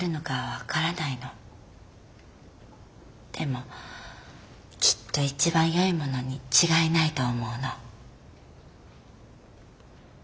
でもきっと一番よいものに違いないと思うの」。